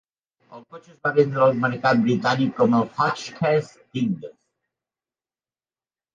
El cotxe es va vendre al mercat britànic com el Hotchkiss Tingues.